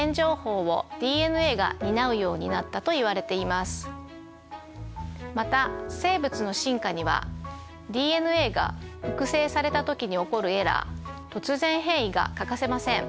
そしてまた生物の進化にはＤＮＡが複製された時に起こるエラー「突然変異」が欠かせません。